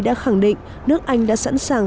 đã khẳng định nước anh đã sẵn sàng